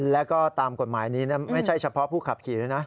แล้วก็ตามกฎหมายนี้ไม่ใช่เฉพาะผู้ขับขี่ด้วยนะ